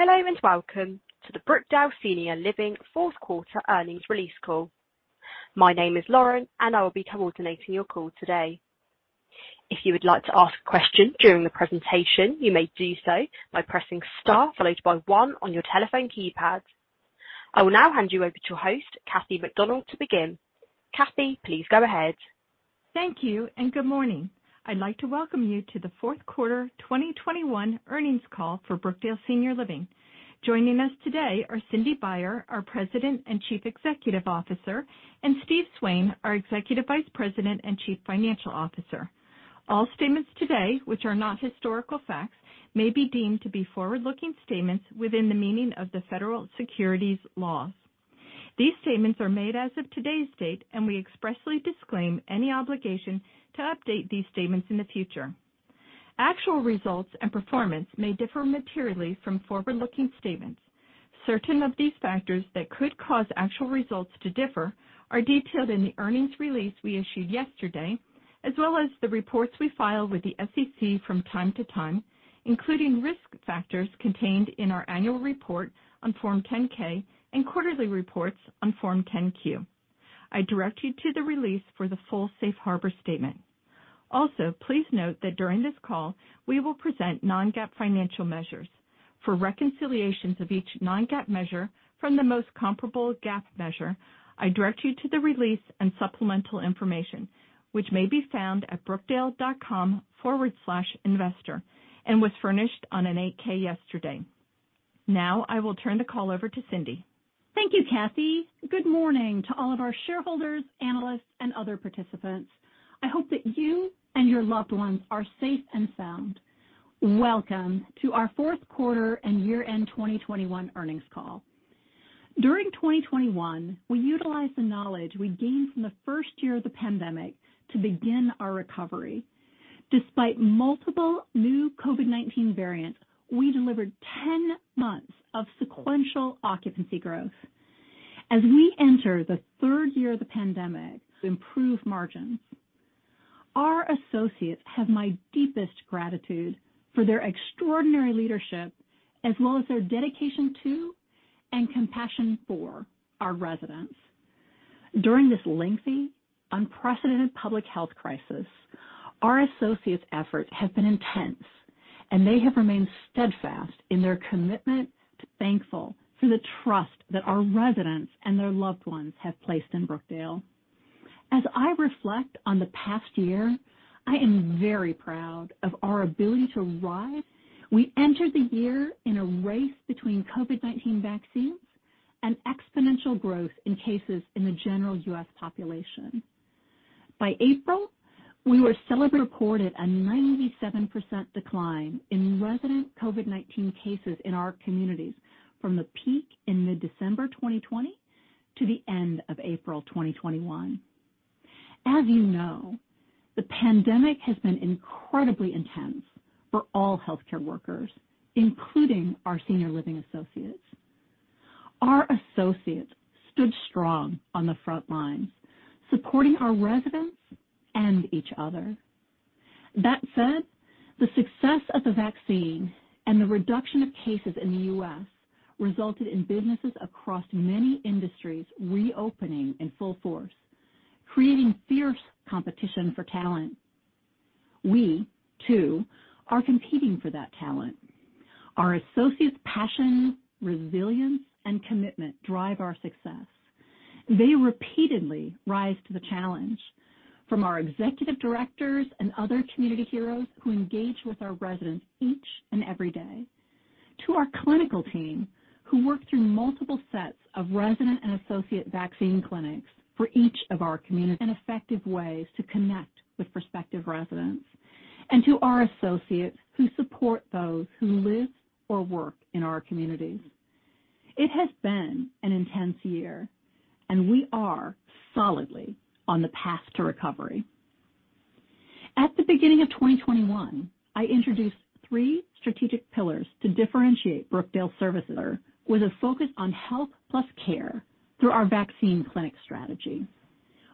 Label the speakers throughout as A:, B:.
A: Hello and welcome to the Brookdale Senior Living fourth quarter Earnings Release Call. My name is Lauren, and I will be coordinating your call today. If you would like to ask a question during the presentation, you may do so by pressing star followed by one on your telephone keypad. I will now hand you over to your host, Kathy MacDonald, to begin. Kathy, please go ahead.
B: Thank you and good morning. I'd like to welcome you to the fourth quarter 2021 earnings call for Brookdale Senior Living. Joining us today are Cindy Baier, our President and Chief Executive Officer, and Steve Swain, our Executive Vice President and Chief Financial Officer. All statements today, which are not historical facts, may be deemed to be forward-looking statements within the meaning of the federal securities laws. These statements are made as of today's date, and we expressly disclaim any obligation to update these statements in the future. Actual results and performance may differ materially from forward-looking statements. Certain of these factors that could cause actual results to differ are detailed in the earnings release we issued yesterday, as well as the reports we file with the SEC from time to time, including risk factors contained in our annual report on Form 10-K and quarterly reports on Form 10-Q. I direct you to the release for the full safe harbor statement. Also, please note that during this call we will present non-GAAP financial measures. For reconciliations of each non-GAAP measure from the most comparable GAAP measure, I direct you to the release and supplemental information which may be found at brookdale.com/investor and was furnished on an 8-K yesterday. Now I will turn the call over to Cindy.
C: Thank you, Kathy. Good morning to all of our shareholders, analysts, and other participants. I hope that you and your loved ones are safe and sound. Welcome to our fourth quarter and year-end 2021 earnings call. During 2021, we utilized the knowledge we gained from the first year of the pandemic to begin our recovery. Despite multiple new COVID-19 variants, we delivered 10 months of sequential occupancy growth. As we enter the third year of the pandemic to improve margins. Our associates have my deepest gratitude for their extraordinary leadership as well as their dedication to and compassion for our residents. During this lengthy, unprecedented public health crisis, our associates' efforts have been intense, and they have remained steadfast in their commitment. Thankful for the trust that our residents and their loved ones have placed in Brookdale. As I reflect on the past year, I am very proud of our ability to rise. We entered the year in a race between COVID-19 vaccines and exponential growth in cases in the general U.S. population. By April, we were celebrating a reported 97% decline in resident COVID-19 cases in our communities from the peak in mid-December 2020 to the end of April 2021. As you know, the pandemic has been incredibly intense for all healthcare workers, including our senior living associates. Our associates stood strong on the front lines, supporting our residents and each other. That said, the success of the vaccine and the reduction of cases in the U.S. resulted in businesses across many industries reopening in full force, creating fierce competition for talent. We, too, are competing for that talent. Our associates' passion, resilience, and commitment drive our success. They repeatedly rise to the challenge from our executive directors and other community heroes who engage with our residents each and every day. To our clinical team, who work through multiple sets of resident and associate vaccine clinics for each of our communities and effective ways to connect with prospective residents, and to our associates who support those who live or work in our communities. It has been an intense year, and we are solidly on the path to recovery. At the beginning of 2021, I introduced three strategic pillars to differentiate Brookdale services with a focus on health plus care through our vaccine clinic strategy.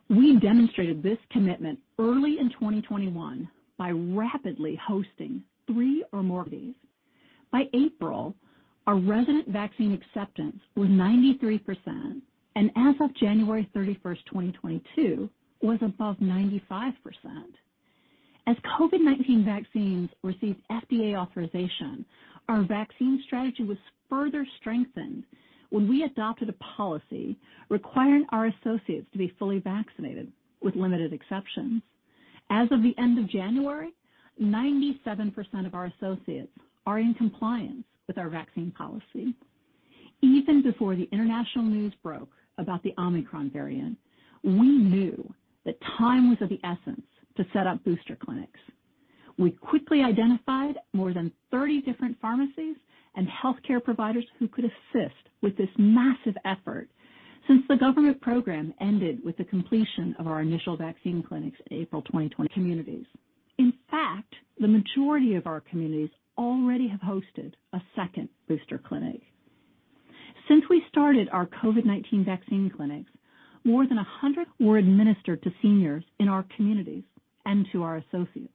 C: We demonstrated this commitment early in 2021 by rapidly hosting three or more cities. By April, our resident vaccine acceptance was 93%, and as of January 31st, 2022, was above 95%. As COVID-19 vaccines received FDA authorization, our vaccine strategy was further strengthened when we adopted a policy requiring our associates to be fully vaccinated with limited exceptions. As of the end of January, 97% of our associates are in compliance with our vaccine policy. Even before the international news broke about the Omicron variant, we knew that time was of the essence to set up booster clinics. We quickly identified more than 30 different pharmacies and healthcare providers who could assist with this massive effort since the government program ended with the completion of our initial vaccine clinics in April 2020 communities. In fact, the majority of our communities already have hosted a second booster clinic. Since we started our COVID-19 vaccine clinics, more than 100 were administered to seniors in our communities and to our associates.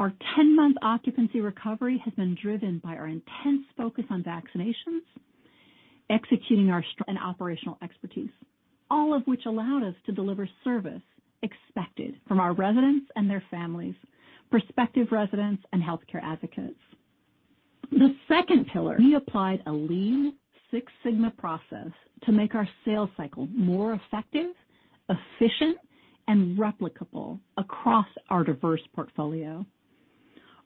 C: Our 10-month occupancy recovery has been driven by our intense focus on vaccinations, executing our strategy and operational expertise, all of which allowed us to deliver service expected from our residents and their families, prospective residents and healthcare advocates. The second pillar, we applied a Lean Six Sigma process to make our sales cycle more effective, efficient, and replicable across our diverse portfolio.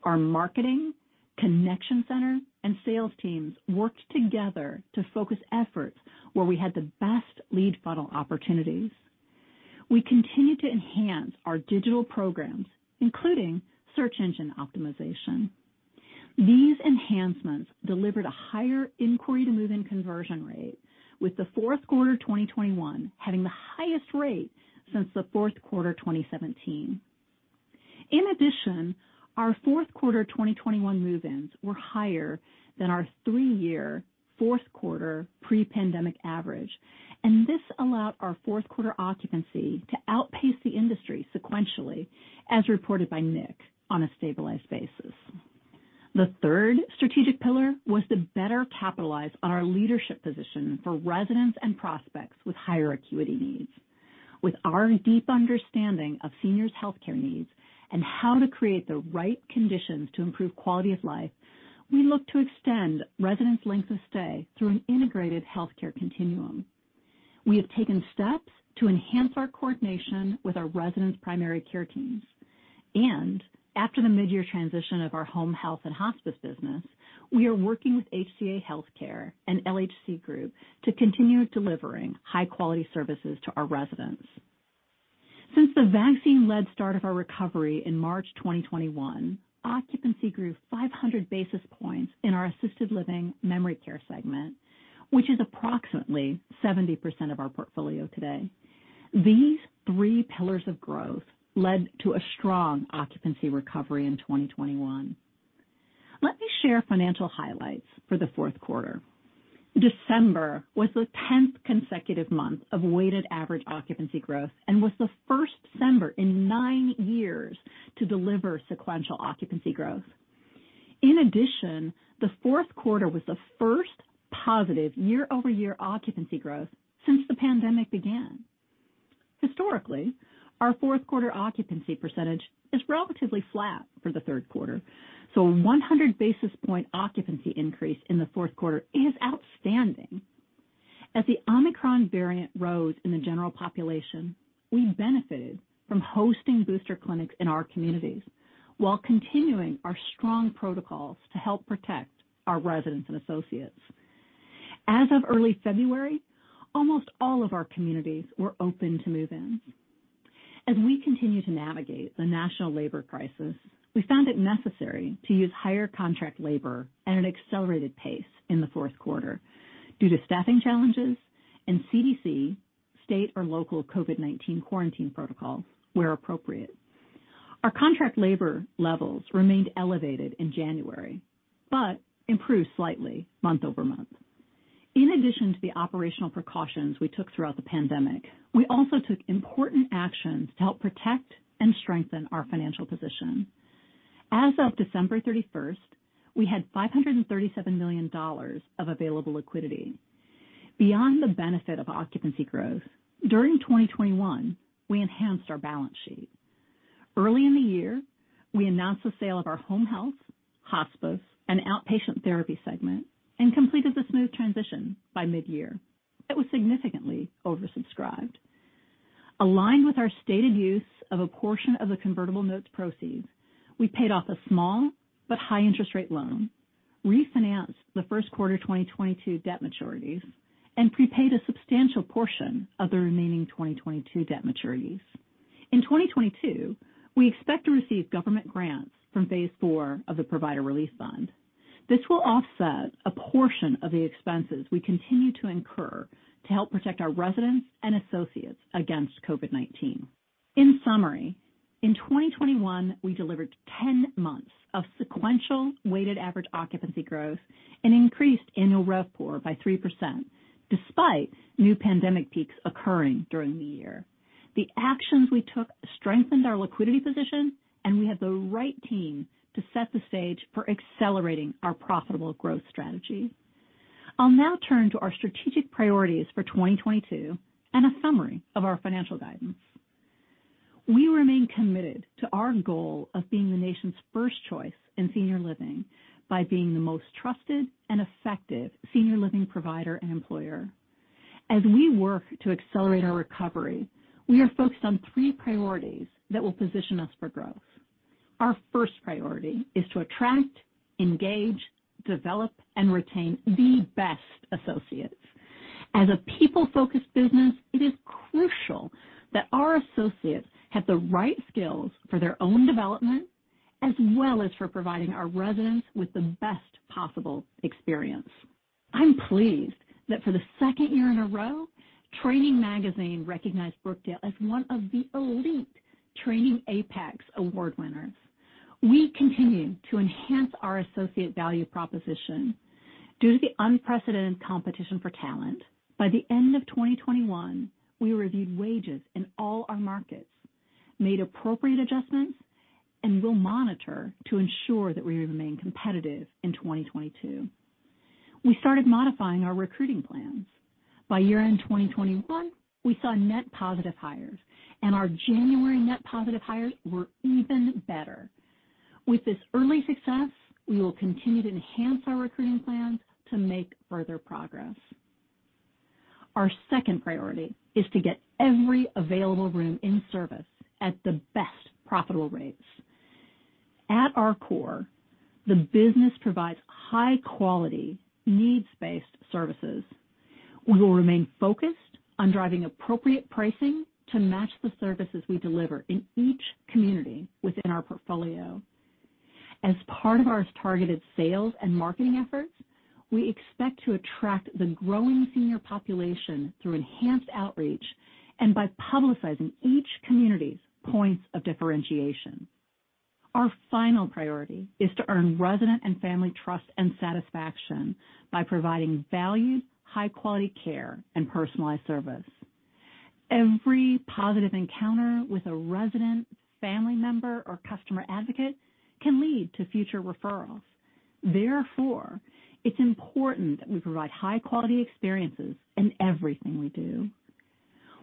C: Our marketing, connection center, and sales teams worked together to focus efforts where we had the best lead funnel opportunities. We continued to enhance our digital programs, including search engine optimization. These enhancements delivered a higher inquiry-to-move-in conversion rate, with the fourth quarter 2021 having the highest rate since the fourth quarter 2017. In addition, our fourth quarter 2021 move-ins were higher than our three-year fourth quarter pre-pandemic average. This allowed our fourth quarter occupancy to outpace the industry sequentially, as reported by NIC on a stabilized basis. The third strategic pillar was to better capitalize on our leadership position for residents and prospects with higher acuity needs. With our deep understanding of seniors' healthcare needs and how to create the right conditions to improve quality of life, we look to extend residents' length of stay through an integrated healthcare continuum. We have taken steps to enhance our coordination with our residents' primary care teams. After the mid-year transition of our home health and hospice business, we are working with HCA Healthcare and LHC Group to continue delivering high-quality services to our residents. Since the vaccine-led start of our recovery in March 2021, occupancy grew 500 basis points in our assisted living memory care segment, which is approximately 70% of our portfolio today. These three pillars of growth led to a strong occupancy recovery in 2021. Let me share financial highlights for the fourth quarter. December was the 10th consecutive month of weighted average occupancy growth and was the first December in nine years to deliver sequential occupancy growth. In addition, the fourth quarter was the first positive year-over-year occupancy growth since the pandemic began. Historically, our fourth quarter occupancy percentage is relatively flat for the third quarter, so a 100-basis points occupancy increase in the fourth quarter is outstanding. As the Omicron variant rose in the general population, we benefited from hosting booster clinics in our communities while continuing our strong protocols to help protect our residents and associates. As of early February, almost all of our communities were open to move-ins. As we continue to navigate the national labor crisis, we found it necessary to use higher contract labor at an accelerated pace in the fourth quarter due to staffing challenges and CDC, state or local COVID-19 quarantine protocols where appropriate. Our contract labor levels remained elevated in January but improved slightly month-over-month. In addition to the operational precautions we took throughout the pandemic, we also took important actions to help protect and strengthen our financial position. As of December 31st, we had $537 million of available liquidity. Beyond the benefit of occupancy growth, during 2021, we enhanced our balance sheet. Early in the year, we announced the sale of our home health, hospice, and outpatient therapy segment, and completed the smooth transition by mid-year. It was significantly oversubscribed. Aligned with our stated use of a portion of the convertible notes proceeds, we paid off a small but high-interest rate loan, refinanced the first quarter 2022 debt maturities, and prepaid a substantial portion of the remaining 2022 debt maturities. In 2022, we expect to receive government grants from phase IV of the Provider Relief Fund. This will offset a portion of the expenses we continue to incur to help protect our residents and associates against COVID-19. In summary, in 2021, we delivered 10 months of sequential weighted average occupancy growth and increased annual RevPOR by 3% despite new pandemic peaks occurring during the year. The actions we took strengthened our liquidity position, and we have the right team to set the stage for accelerating our profitable growth strategy. I'll now turn to our strategic priorities for 2022 and a summary of our financial guidance. We remain committed to our goal of being the nation's first choice in senior living by being the most trusted and effective senior living provider and employer. As we work to accelerate our recovery, we are focused on three priorities that will position us for growth. Our first priority is to attract, engage, develop, and retain the best associates. As a people-focused business, it is crucial that our associates have the right skills for their own development as well as for providing our residents with the best possible experience. I'm pleased that for the second year in a row, Training magazine recognized Brookdale as one of the elite Training APEX Award winners. We continue to enhance our associate value proposition due to the unprecedented competition for talent. By the end of 2021, we reviewed wages in all our markets, made appropriate adjustments, and will monitor to ensure that we remain competitive in 2022. We started modifying our recruiting plans. By year-end 2021, we saw net positive hires, and our January net positive hires were even better. With this early success, we will continue to enhance our recruiting plans to make further progress. Our second priority is to get every available room in service at the best profitable rates. At our core, the business provides high-quality, needs-based services. We will remain focused on driving appropriate pricing to match the services we deliver in each community within our portfolio. As part of our targeted sales and marketing efforts, we expect to attract the growing senior population through enhanced outreach and by publicizing each community's points of differentiation. Our final priority is to earn resident and family trust and satisfaction by providing valued, high-quality care and personalized service. Every positive encounter with a resident, family member, or customer advocate can lead to future referrals. Therefore, it's important that we provide high-quality experiences in everything we do.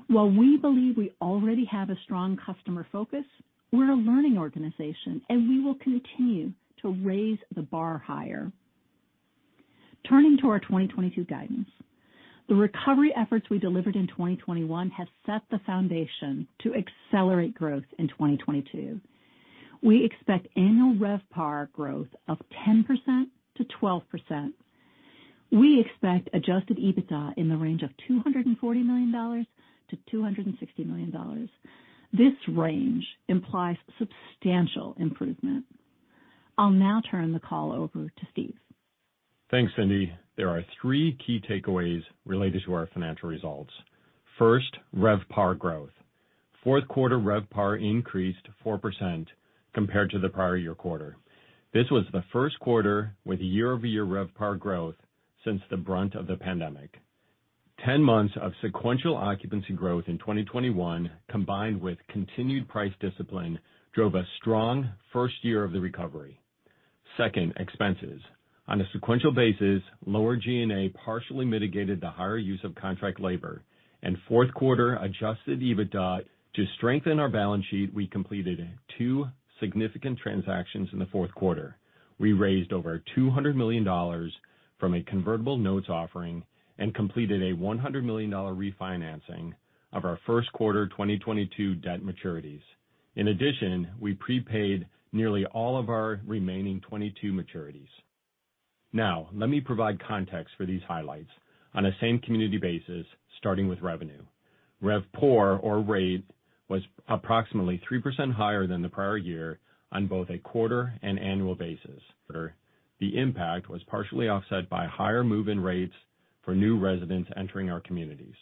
C: While we believe we already have a strong customer focus, we're a learning organization, and we will continue to raise the bar higher. Turning to our 2022 guidance. The recovery efforts we delivered in 2021 have set the foundation to accelerate growth in 2022. We expect annual RevPAR growth of 10%-12%. We expect adjusted EBITDA in the range of $240 million-$260 million. This range implies substantial improvement. I'll now turn the call over to Steve.
D: Thanks, Cindy. There are three key takeaways related to our financial results. First, RevPAR growth. Fourth quarter RevPAR increased 4% compared to the prior year quarter. This was the first quarter with year-over-year RevPAR growth since the brunt of the pandemic. 10 months of sequential occupancy growth in 2021, combined with continued price discipline, drove a strong first year of the recovery. Second, expenses. On a sequential basis, lower G&A partially mitigated the higher use of contract labor and fourth quarter adjusted EBITDA. To strengthen our balance sheet, we completed two significant transactions in the fourth quarter. We raised over $200 million from a convertible note offering and completed a $100 million refinancing of our first quarter 2022 debt maturities. In addition, we prepaid nearly all of our remaining 2022 maturities. Now, let me provide context for these highlights on a same community basis, starting with revenue. RevPOR or rate was approximately 3% higher than the prior year on both a quarter and annual basis. The impact was partially offset by higher move-in rates for new residents entering our communities.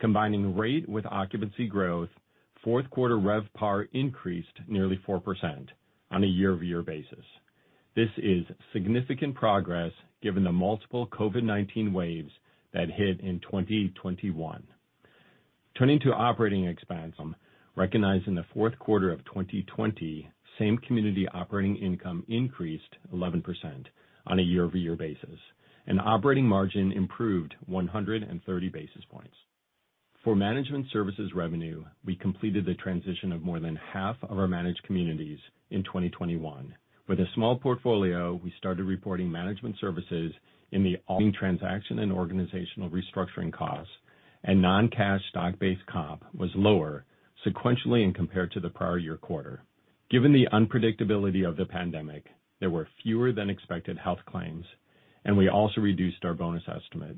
D: Combining rate with occupancy growth, fourth quarter RevPAR increased nearly 4% on a year-over-year basis. This is significant progress given the multiple COVID-19 waves that hit in 2021. Turning to operating expense, recognized in the fourth quarter of 2020, same community operating income increased 11% on a year-over-year basis, and operating margin improved 130 basis points. For management services revenue, we completed the transition of more than half of our managed communities in 2021. With a small portfolio, we started reporting management services. In the transaction and organizational restructuring costs and non-cash stock-based comp was lower sequentially and compared to the prior year quarter. Given the unpredictability of the pandemic, there were fewer than expected health claims, and we also reduced our bonus estimate.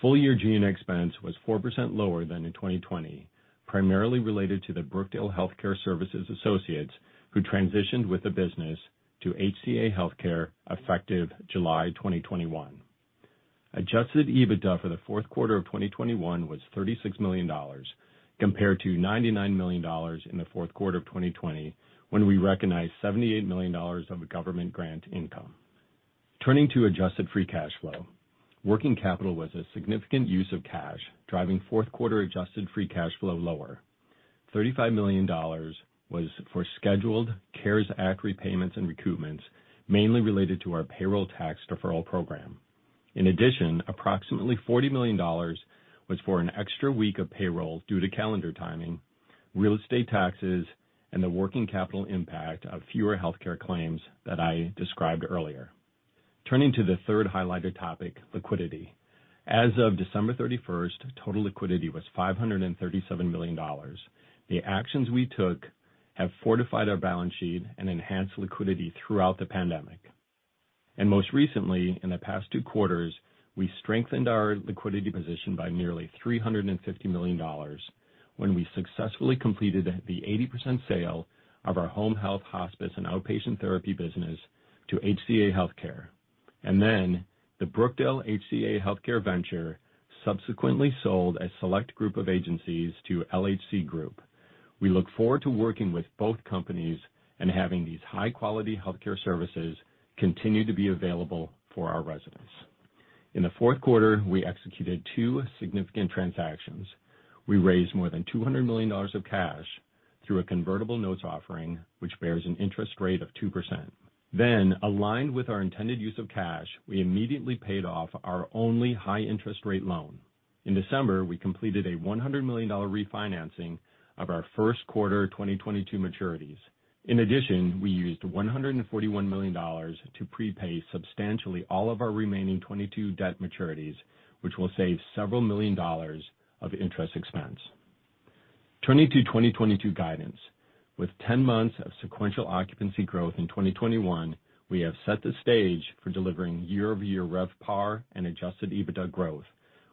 D: Full year G&A expense was 4% lower than in 2020, primarily related to the Brookdale Health Care Services associates who transitioned with the business to HCA Healthcare effective July 2021. Adjusted EBITDA for the fourth quarter of 2021 was $36 million compared to $99 million in the fourth quarter of 2020, when we recognized $78 million of government grant income. Turning to adjusted free cash flow. Working capital was a significant use of cash, driving fourth quarter adjusted free cash flow lower. $35 million was for scheduled CARES Act repayments and recoupments, mainly related to our payroll tax deferral program. In addition, approximately $40 million was for an extra week of payroll due to calendar timing, real estate taxes, and the working capital impact of fewer healthcare claims that I described earlier. Turning to the third highlighted topic, liquidity. As of December 31st, total liquidity was $537 million. The actions we took have fortified our balance sheet and enhanced liquidity throughout the pandemic. Most recently, in the past two quarters, we strengthened our liquidity position by nearly $350 million when we successfully completed the 80% sale of our home health hospice and outpatient therapy business to HCA Healthcare. Then the Brookdale HCA Healthcare venture subsequently sold a select group of agencies to LHC Group. We look forward to working with both companies and having these high-quality health care services continue to be available for our residents. In the fourth quarter, we executed two significant transactions. We raised more than $200 million of cash through a convertible note offering, which bears an interest rate of 2%. Aligned with our intended use of cash, we immediately paid off our only high-interest rate loan. In December, we completed a $100 million refinancing of our first quarter 2022 maturities. In addition, we used $141 million to prepay substantially all of our remaining 2022 debt maturities, which will save several million dollars of interest expense. Turning to 2022 guidance. With 10 months of sequential occupancy growth in 2021, we have set the stage for delivering year-over-year RevPAR and adjusted EBITDA growth,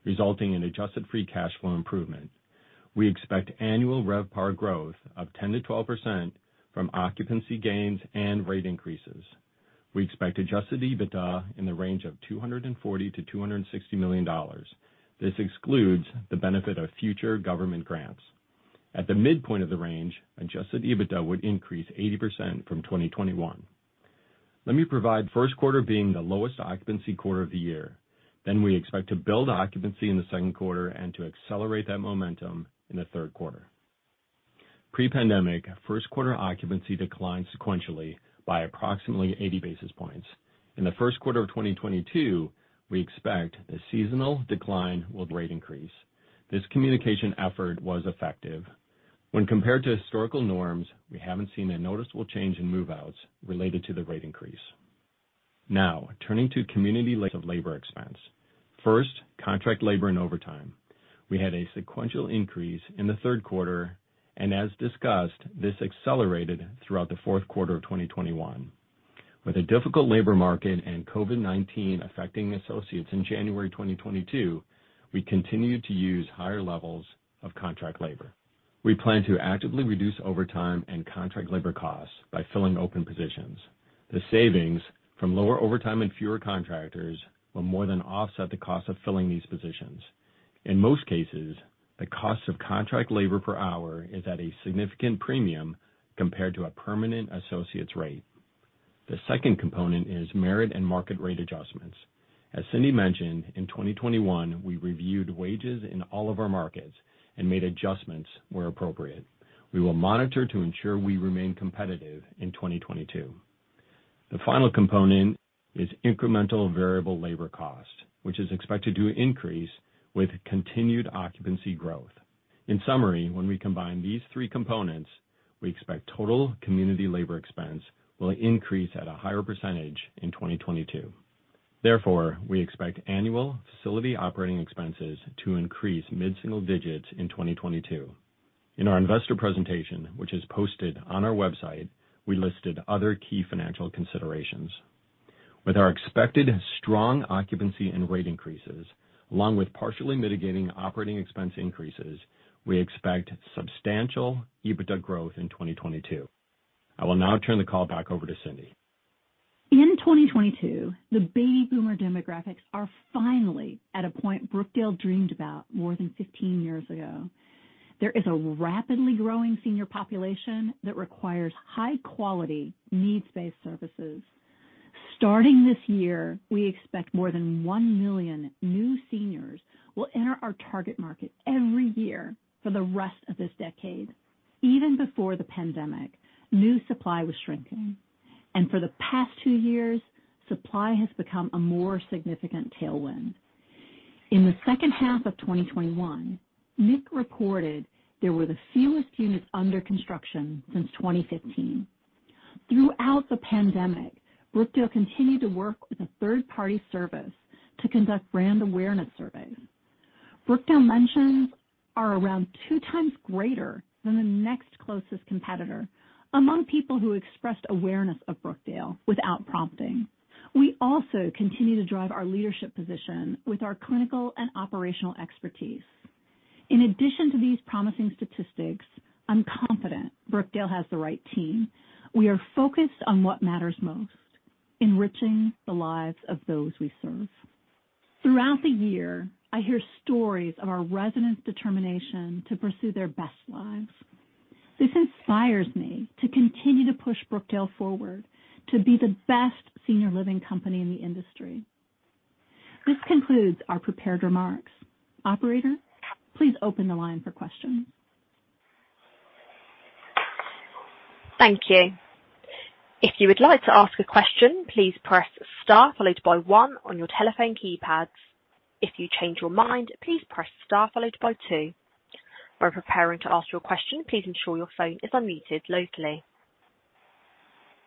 D: resulting in adjusted free cash flow improvement. We expect annual RevPAR growth of 10%-12% from occupancy gains and rate increases. We expect adjusted EBITDA in the range of $240 million-$260 million. This excludes the benefit of future government grants. At the midpoint of the range, adjusted EBITDA would increase 80% from 2021. Let me provide first quarter being the lowest occupancy quarter of the year. We expect to build occupancy in the second quarter and to accelerate that momentum in the third quarter. Pre-pandemic, first quarter occupancy declined sequentially by approximately 80 basis points. In the first quarter of 2022, we expect the seasonal decline will be more than offset by rate increases. This communication effort was effective. When compared to historical norms, we haven't seen a noticeable change in move-outs related to the rate increase. Now, turning to community levels of labor expense. First, contract labor and overtime. We had a sequential increase in the third quarter, and as discussed, this accelerated throughout the fourth quarter of 2021. With a difficult labor market and COVID-19 affecting associates in January 2022, we continued to use higher levels of contract labor. We plan to actively reduce overtime and contract labor costs by filling open positions. The savings from lower overtime and fewer contractors will more than offset the cost of filling these positions. In most cases, the cost of contract labor per hour is at a significant premium compared to a permanent associate's rate. The second component is merit and market rate adjustments. As Cindy mentioned, in 2021, we reviewed wages in all of our markets and made adjustments where appropriate. We will monitor to ensure we remain competitive in 2022. The final component is incremental variable labor cost, which is expected to increase with continued occupancy growth. In summary, when we combine these three components, we expect total community labor expense will increase at a higher percentage in 2022. Therefore, we expect annual facility operating expenses to increase mid-single digits in 2022. In our investor presentation, which is posted on our website, we listed other key financial considerations. With our expected strong occupancy and rate increases, along with partially mitigating operating expense increases, we expect substantial EBITDA growth in 2022. I will now turn the call back over to Cindy.
C: In 2022, the baby boomer demographics are finally at a point Brookdale dreamed about more than 15 years ago. There is a rapidly growing senior population that requires high quality, needs-based services. Starting this year, we expect more than 1 million new seniors will enter our target market every year for the rest of this decade. Even before the pandemic, new supply was shrinking, and for the past two years, supply has become a more significant tailwind. In the second half of 2021, NIC reported there were the fewest units under construction since 2015. Throughout the pandemic, Brookdale continued to work with a third-party service to conduct brand awareness surveys. Brookdale mentions are around 2x greater than the next closest competitor among people who expressed awareness of Brookdale without prompting. We also continue to drive our leadership position with our clinical and operational expertise. In addition to these promising statistics, I'm confident Brookdale has the right team. We are focused on what matters most, enriching the lives of those we serve. Throughout the year, I hear stories of our residents' determination to pursue their best lives. This inspires me to continue to push Brookdale forward to be the best senior living company in the industry. This concludes our prepared remarks. Operator, please open the line for questions.
A: Thank you. If you would like to ask a question, please press star followed by one on your telephone keypads. If you change your mind, please press star followed by two. When preparing to ask your question, please ensure your phone is unmuted locally.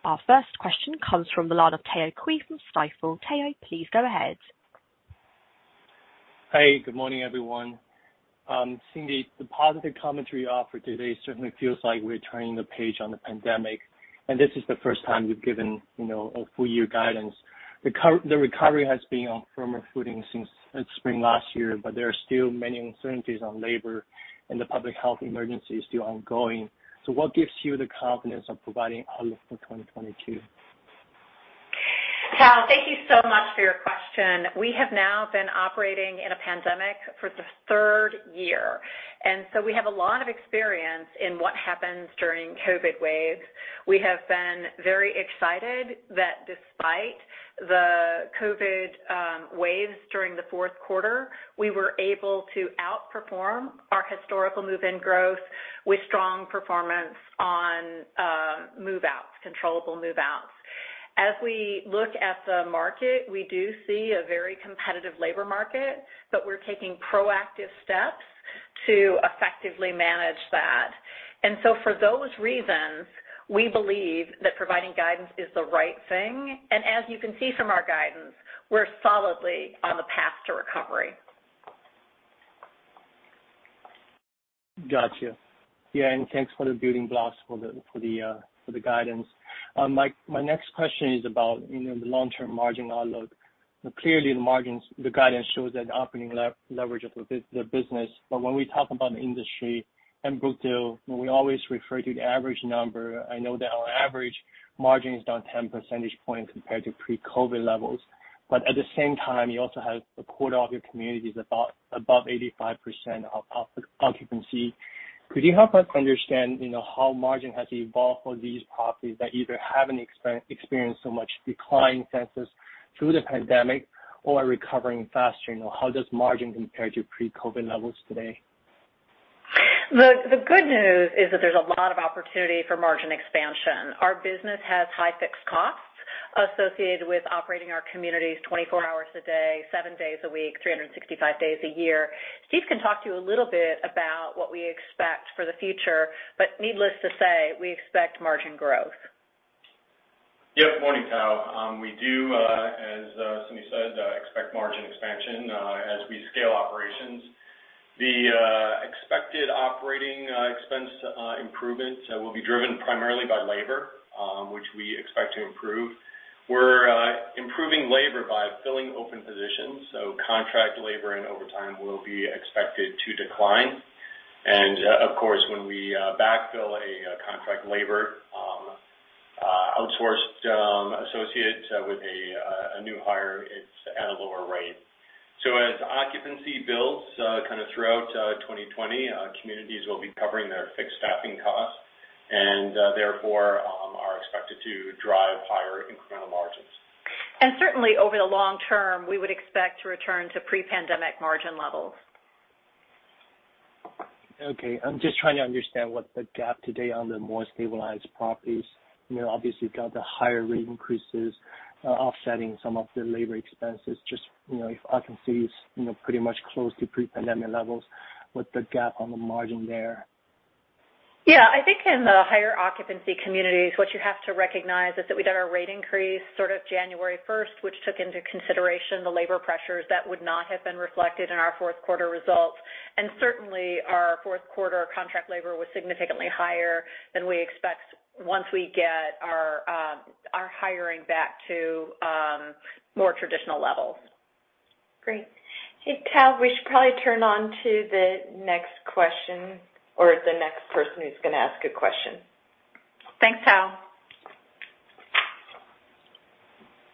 A: Our first question comes from the line of Tao Qiu from Stifel. Tao, please go ahead.
E: Hey, good morning, everyone. Cindy, the positive commentary you offered today certainly feels like we're turning the page on the pandemic, and this is the first time you've given, you know, a full year guidance. The recovery has been on firmer footing since spring last year, but there are still many uncertainties on labor and the public health emergency is still ongoing. What gives you the confidence of providing outlook for 2022?
C: Tao, thank you so much for your question. We have now been operating in a pandemic for the third year, and so we have a lot of experience in what happens during COVID waves. We have been very excited that despite the COVID waves during the fourth quarter, we were able to outperform our historical move-in growth with strong performance on move-outs, controllable move-outs. As we look at the market, we do see a very competitive labor market, but we're taking proactive steps to effectively manage that. For those reasons, we believe that providing guidance is the right thing. As you can see from our guidance, we're solidly on the path to recovery.
E: Gotcha. Yeah, thanks for the building blocks for the guidance. My next question is about, you know, the long-term margin outlook. Clearly, the margins, the guidance shows that operating leverage of the business. When we talk about industry and Brookdale, we always refer to the average number. I know that on average margin is down 10 percentage points compared to pre-COVID levels. But at the same time, you also have a quarter of your communities at or above 85% occupancy. Could you help us understand, you know, how margin has evolved for these properties that either haven't experienced so much decline in census through the pandemic or are recovering faster? You know, how does margin compare to pre-COVID levels today?
C: The good news is that there's a lot of opportunity for margin expansion. Our business has high fixed costs associated with operating our communities 24 hours a day, seven days a week, 365 days a year. Steve can talk to you a little bit about what we expect for the future, but needless to say, we expect margin growth.
D: Yeah. Morning, Tao. We do, as Cindy said, expect margin expansion, as we scale operations. The expected operating expense improvements will be driven primarily by labor, which we expect to improve. We're improving labor by filling open positions, so contract labor and overtime will be expected to decline. Of course, when we backfill a contract labor outsourced associate with a new hire, it's at a lower rate. As occupancy builds kind of throughout 2020, communities will be covering their fixed staffing costs, and therefore are expected to drive higher incremental margins.
C: Certainly, over the long term, we would expect to return to pre-pandemic margin levels.
E: Okay. I'm just trying to understand what the gap today on the more stabilized properties. You know, obviously, you've got the higher rate increases, offsetting some of the labor expenses. Just, you know, if occupancy is, you know, pretty much close to pre-pandemic levels, what's the gap on the margin there?
C: Yeah. I think in the higher occupancy communities, what you have to recognize is that we did our rate increase sort of January 1st, which took into consideration the labor pressures that would not have been reflected in our fourth quarter results. Certainly, our fourth quarter contract labor was significantly higher than we expect once we get our hiring back to more traditional levels.
B: Great. Hey, Tao, we should probably turn on to the next question or the next person who's gonna ask a question.
C: Thanks, Tao.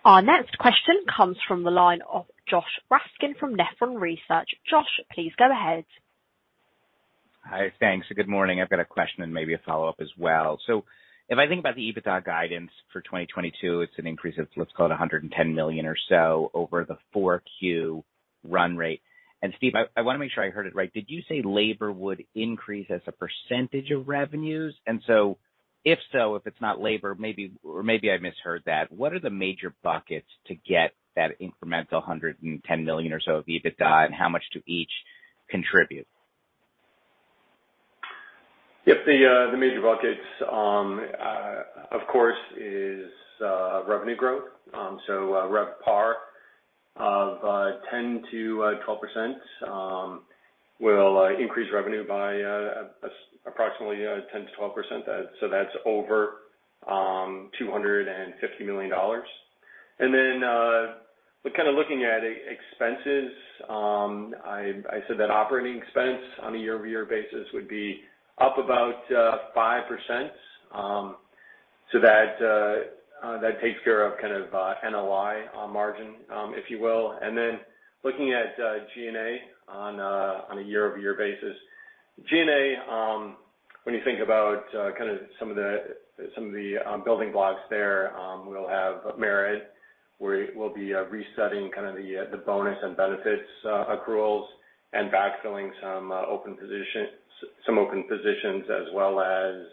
A: Our next question comes from the line of Joshua Raskin from Nephron Research. Josh, please go ahead.
F: Hi. Thanks. Good morning. I've got a question and maybe a follow-up as well. If I think about the EBITDA guidance for 2022, it's an increase of, let's call it $110 million or so over the 4Q run rate. Steve, I wanna make sure I heard it right. Did you say labor would increase as a percentage of revenues? If so, if it's not labor, maybe or maybe I misheard that, what are the major buckets to get that incremental $110 million or so of EBITDA, and how much do each contribute?
D: Yep. The major buckets, of course, is revenue growth. RevPAR of 10%-12% will increase revenue by approximately 10%-12%. That's over $250 million. We're kinda looking at expenses. I said that operating expense on a year-over-year basis would be up about 5%. That takes care of kind of NOI on margin, if you will. Looking at G&A on a year-over-year basis. G&A, when you think about kinda some of the building blocks there, we'll have merit where we'll be resetting kind of the bonus and benefits accruals and backfilling some open positions as well as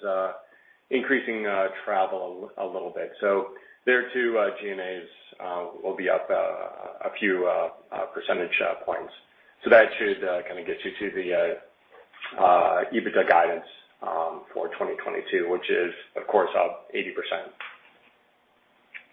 D: increasing travel a little bit. So there too, G&A will be up a few percentage points. So that should kinda get you to the EBITDA guidance for 2022, which is of course up 80%.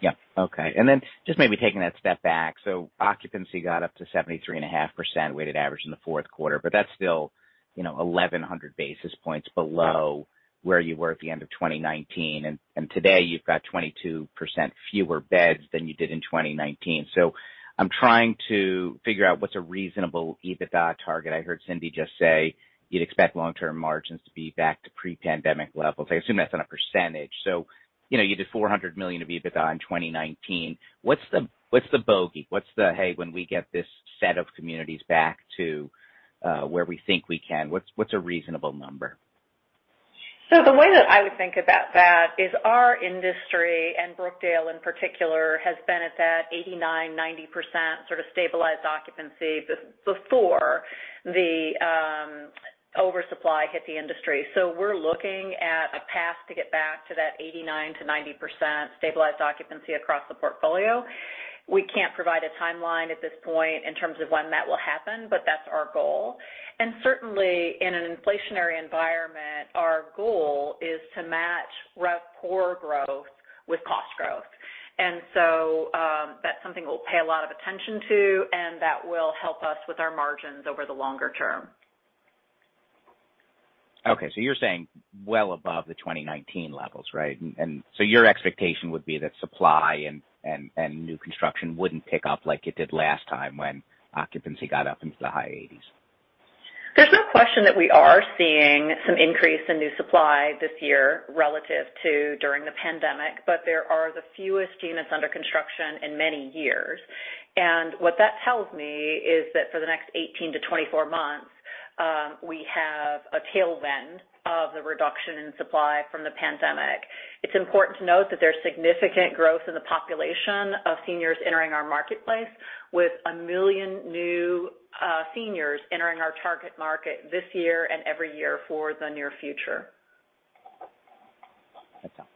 F: Yeah. Okay. Then just maybe taking that step back. Occupancy got up to 73.5% weighted average in the fourth quarter, but that's still, you know, 1,100 basis points below where you were at the end of 2019. Today, you've got 22% fewer beds than you did in 2019. I'm trying to figure out what's a reasonable EBITDA target. I heard Cindy just say you'd expect long-term margins to be back to pre-pandemic levels. I assume that's on a percentage. You know, you did $400 million of EBITDA in 2019. What's the bogey? What's the, "Hey, when we get this set of communities back to where we think we can," what's a reasonable number?
C: The way that I would think about that is our industry, and Brookdale in particular, has been at that 89%-90% sort of stabilized occupancy before the oversupply hit the industry. We're looking at a path to get back to that 89%-90% stabilized occupancy across the portfolio. We can't provide a timeline at this point in terms of when that will happen, but that's our goal. Certainly, in an inflationary environment, our goal is to match RevPOR growth with cost growth. That's something we'll pay a lot of attention to, and that will help us with our margins over the longer term.
F: You're saying well above the 2019 levels, right? And so, your expectation would be that supply, and new construction wouldn't pick up like it did last time when occupancy got up into the high 80s.
C: There's no question that we are seeing some increase in new supply this year relative to during the pandemic, but there are the fewest units under construction in many years. What that tells me is that for the next 18-24 months, we have a tailwind of the reduction in supply from the pandemic. It's important to note that there's significant growth in the population of seniors entering our marketplace with 1 million new seniors entering our target market this year and every year for the near future.
F: That's all.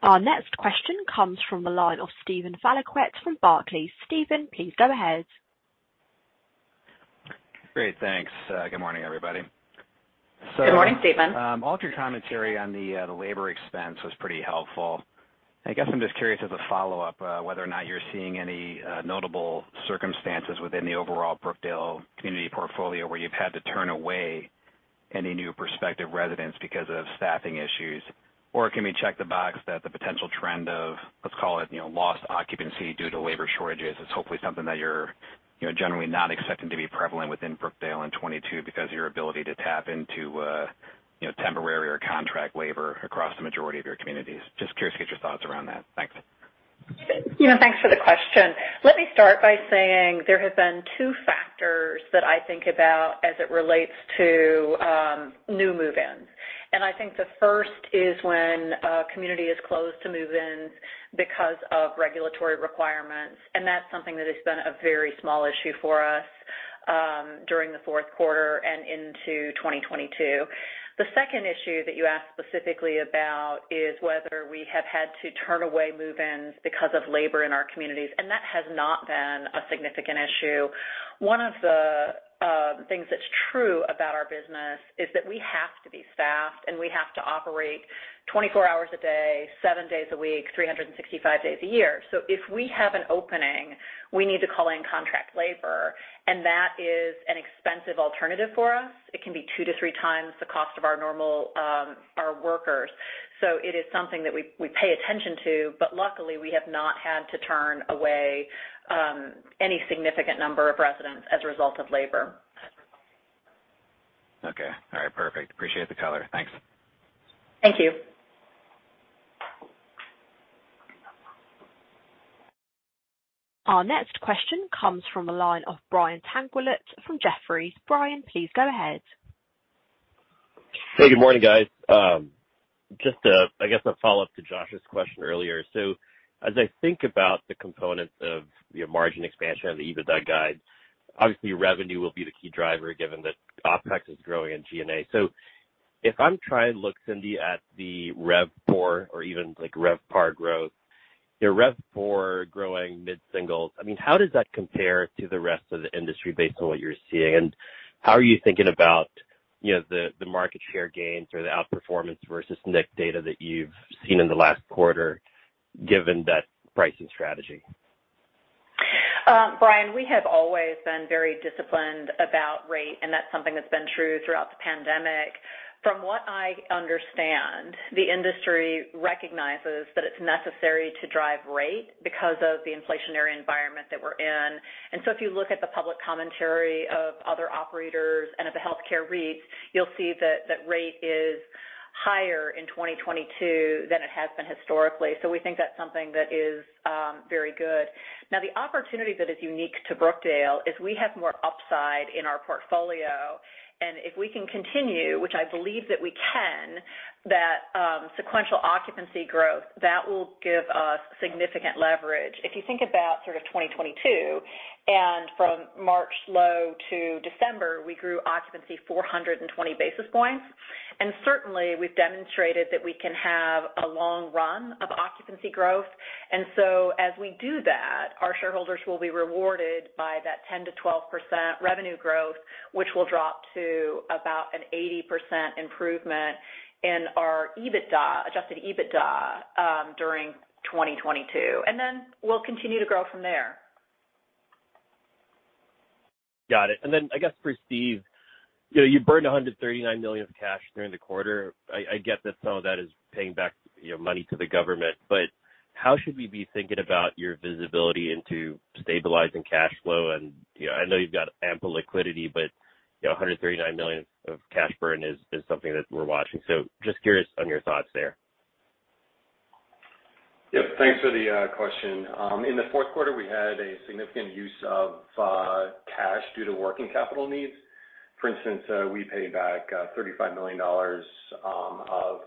A: Our next question comes from the line of Steven Valiquette from Barclays. Steven, please go ahead.
G: Great. Thanks. Good morning, everybody.
C: Good morning, Steven.
G: All of your commentary on the labor expense was pretty helpful. I guess I'm just curious as a follow-up whether or not you're seeing any notable circumstances within the overall Brookdale community portfolio where you've had to turn away any new prospective residents because of staffing issues. Can we check the box that the potential trend of, let's call it, you know, lost occupancy due to labor shortages is hopefully something that you're, you know, generally not expecting to be prevalent within Brookdale in 2022 because of your ability to tap into temporary or contract labor across the majority of your communities. Just curious to get your thoughts around that. Thanks.
C: You know, thanks for the question. Let me start by saying there have been two factors that I think about as it relates to new move-ins. I think the first is when a community is closed to move-ins because of regulatory requirements, and that's something that has been a very small issue for us during the fourth quarter and into 2022. The second issue that you asked specifically about is whether we have had to turn away move-ins because of labor in our communities, and that has not been a significant issue. One of the things that's true about our business is that we have to be staffed, and we have to operate 24 hours a day, seven days a week, 365 days a year. If we have an opening, we need to call in contract labor, and that is an expensive alternative for us. It can be 2x-3x the cost of our normal, our workers. It is something that we pay attention to, but luckily, we have not had to turn away any significant number of residents as a result of labor.
G: Okay. All right, perfect. I appreciate the color. Thanks.
C: Thank you.
A: Our next question comes from the line of Brian Tanquilut from Jefferies. Brian, please go ahead.
H: Hey, good morning, guys. Just a follow-up to Josh's question earlier, I guess. As I think about the components of your margin expansion and the EBITDA guide, obviously revenue will be the key driver given that OpEx is growing and G&A. If I'm trying to look, Cindy, at the RevPOR or even like RevPAR growth, your RevPOR growing mid-singles, I mean, how does that compare to the rest of the industry based on what you're seeing? How are you thinking about you know the market share gains or the outperformance versus NIC data that you've seen in the last quarter given that pricing strategy?
C: Brian, we have always been very disciplined about rate, and that's something that's been true throughout the pandemic. From what I understand, the industry recognizes that it's necessary to drive rate because of the inflationary environment that we're in. If you look at the public commentary of other operators and of the healthcare REITs, you'll see that that rate is higher in 2022 than it has been historically. We think that's something that is very good. Now, the opportunity that is unique to Brookdale is we have more upside in our portfolio. If we can continue, which I believe that we can, that sequential occupancy growth, that will give us significant leverage. If you think about sort of 2022 and from March low to December, we grew occupancy 420 basis points. Certainly, we've demonstrated that we can have a long run of occupancy growth. As we do that, our shareholders will be rewarded by that 10%-12% revenue growth, which will drop to about an 80% improvement in our EBITDA, adjusted EBITDA, during 2022. We'll continue to grow from there.
H: Got it. I guess for Steve, you know, you burned $139 million of cash during the quarter. I get that some of that is paying back, you know, money to the government. How should we be thinking about your visibility into stabilizing cash flow? You know, I know you've got ample liquidity, but, you know, $139 million of cash burn is something that we're watching. Just curious on your thoughts there.
D: Yep. Thanks for the question. In the fourth quarter, we had a significant use of cash due to working capital needs. For instance, we paid back $35 million of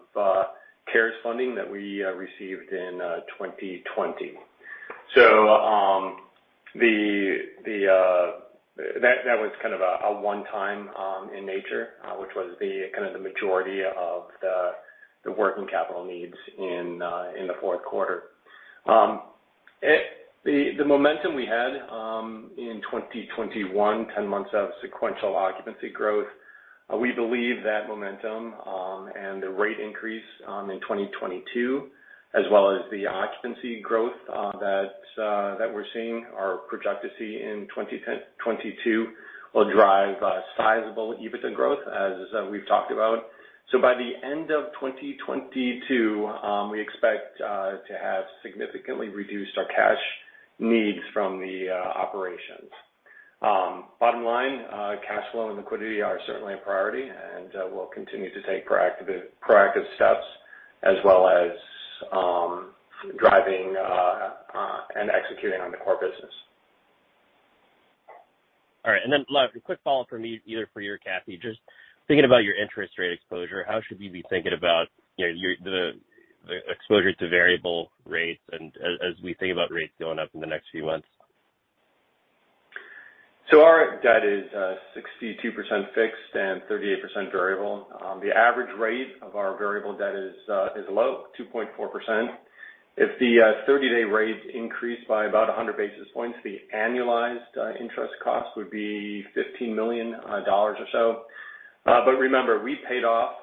D: CARES funding that we received in 2020. That was kind of a one-time in nature, which was the majority of the working capital needs in the fourth quarter. The momentum we had in 2021, 10 months of sequential occupancy growth, we believe that momentum and the rate increase in 2022, as well as the occupancy growth that we're seeing or project to see in 2022 will drive a sizable EBITDA growth as we've talked about. By the end of 2022, we expect to have significantly reduced our cash needs from the operations. Bottom line, cash flow and liquidity are certainly a priority, and we'll continue to take proactive steps as well as driving and executing on the core business.
H: All right. Last, a quick follow-up from me, either for you or Kathy. Just thinking about your interest rate exposure, how should we be thinking about, you know, your, the exposure to variable rates and as we think about rates going up in the next few months?
D: Our debt is 62% fixed and 38% variable. The average rate of our variable debt is low, 2.4%. If the 30-day rates increase by about 100 basis points, the annualized interest cost would be $15 million or so. Remember, we paid off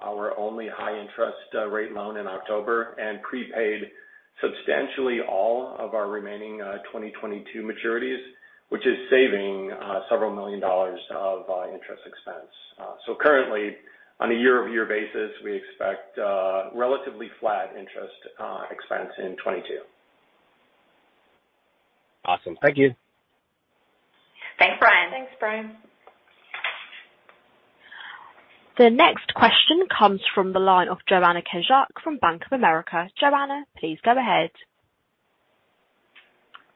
D: our only high-interest rate loan in October and prepaid substantially all of our remaining 2022 maturities, which is saving several million dollars of interest expense. Currently, on a year-over-year basis, we expect relatively flat interest expense in 2022.
H: Awesome. Thank you.
C: Thanks, Brian.
B: Thanks, Brian.
A: The next question comes from the line of Joanna Gajuk from Bank of America. Joanna, please go ahead.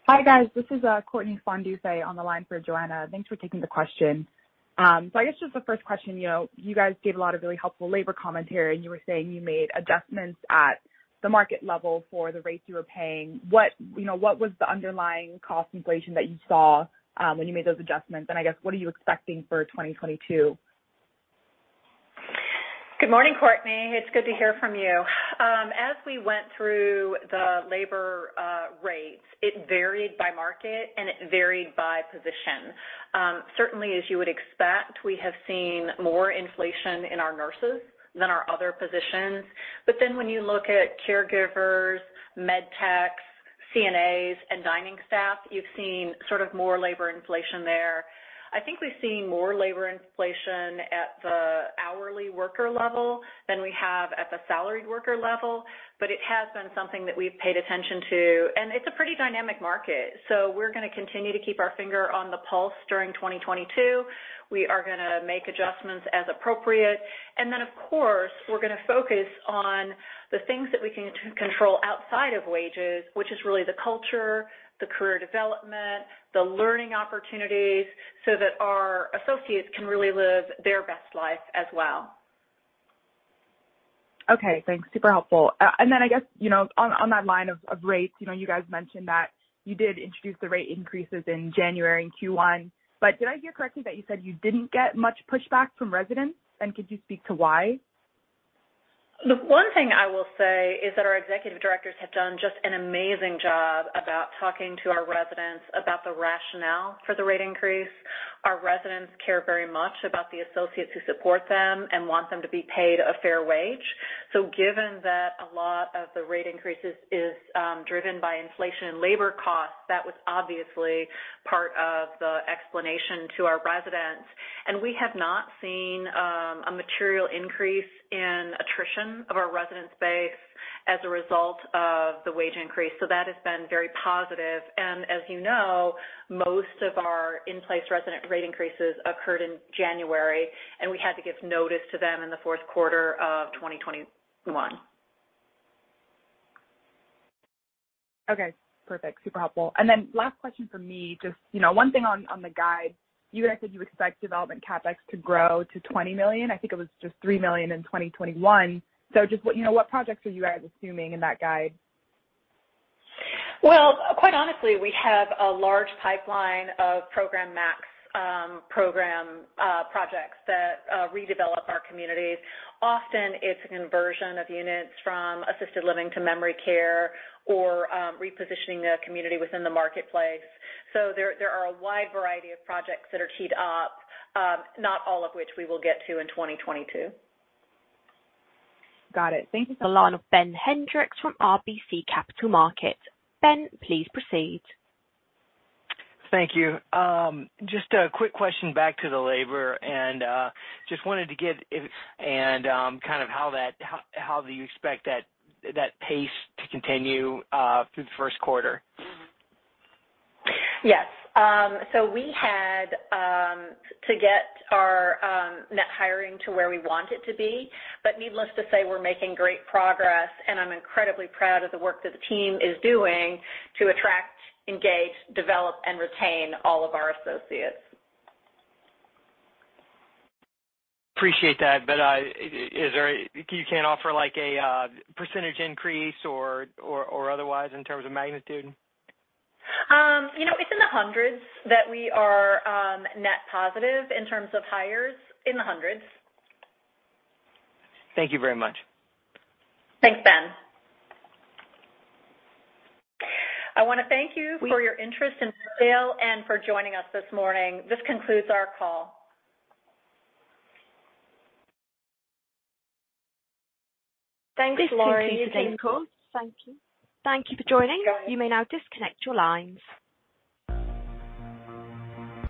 I: Hi, guys. This is Courtney Fondufe on the line for Joanna. Thanks for taking the question. I guess just the first question, you know, you guys gave a lot of really helpful labor commentary, and you were saying you made adjustments at the market level for the rates you were paying. What, you know, what was the underlying cost inflation that you saw when you made those adjustments? I guess, what are you expecting for 2022?
C: Good morning, Courtney. It's good to hear from you. As we went through the labor rates, it varied by market and it varied by position. Certainly, as you would expect, we have seen more inflation in our nurses than our other positions. When you look at caregivers, med techs, CNAs, and dining staff, you've seen sort of more labor inflation there. I think we've seen more labor inflation at the hourly worker level than we have at the salaried worker level, but it has been something that we've paid attention to, and it's a pretty dynamic market. We're gonna continue to keep our finger on the pulse during 2022. We are gonna make adjustments as appropriate. Of course, we're gonna focus on the things that we can control outside of wages, which is really the culture, the career development, the learning opportunities, so that our associates can really live their best life as well.
I: Okay, thanks. Super helpful. I guess, you know, on that line of rates, you know, you guys mentioned that you did introduce the rate increases in January and Q1. Did I hear correctly that you said you didn't get much pushback from residents? Could you speak to why?
C: The one thing I will say is that our executive directors have done just an amazing job about talking to our residents about the rationale for the rate increase. Our residents care very much about the associates who support them and want them to be paid a fair wage. Given that a lot of the rate increases is driven by inflation and labor costs, that was obviously part of the explanation to our residents. We have not seen a material increase in attrition of our resident base as a result of the wage increase. That has been very positive. As you know, most of our in-place resident rate increases occurred in January, and we had to give notice to them in the fourth quarter of 2021.
I: Okay, perfect. Super helpful. Last question from me, just, you know, one thing on the guide, you guys said you expect development CapEx to grow to $20 million. I think it was just $3 million in 2021. Just what, you know, what projects are you guys assuming in that guide?
C: Well, quite honestly, we have a large pipeline of Program Max projects that redevelop our communities. Often, it's a conversion of units from assisted living to memory care or repositioning the community within the marketplace. There are a wide variety of projects that are teed up, not all of which we will get to in 2022.
I: Got it. Thank you.
A: The line of Ben Hendrix from RBC Capital Markets. Ben, please proceed.
J: Thank you. Just a quick question back to the labor, and how do you expect that pace to continue through the first quarter?
C: Yes. We had to get our net hiring to where we want it to be. Needless to say, we're making great progress and I'm incredibly proud of the work that the team is doing to attract, engage, develop, and retain all of our associates.
J: Appreciate that. You can't offer like a percentage increase or otherwise in terms of magnitude?
C: You know, it's in the hundreds that we are net positive in terms of hires, in the hundreds.
J: Thank you very much.
C: Thanks, Ben. I wanna thank you for your interest in Brookdale and for joining us this morning. This concludes our call.
A: Thanks, Lauren. This concludes the call. Thank you. Thank you for joining. You may now disconnect your lines.